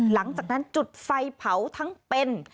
หลังจากนั้นจุดไฟเผาทั้งเป็น